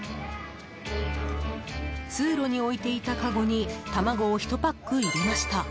通路に置いていたかごに卵を１パック入れました。